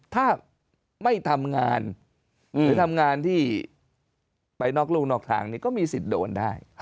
ถ้าไม่ทำงานหรือทำงานที่ไปนอกลูกนอกทางนี้ก็มีสิทธิ์โดนได้